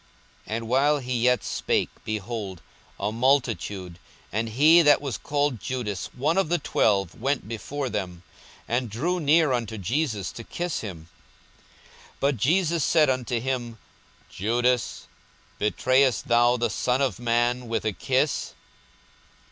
42:022:047 And while he yet spake, behold a multitude, and he that was called Judas, one of the twelve, went before them, and drew near unto Jesus to kiss him. 42:022:048 But Jesus said unto him, Judas, betrayest thou the Son of man with a kiss?